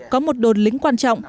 có một đồn lính quan trọng